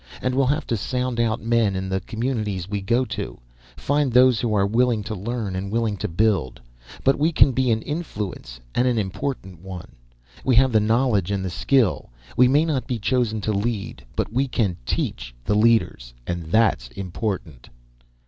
And we'll have to sound out men in the communities we go to, find those who are willing to learn and willing to build. But we can be an influence, and an important one. We have the knowledge and the skill. We may not be chosen to lead, but we can teach the leaders. And that's important."